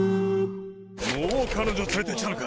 もう彼女連れてきたのか！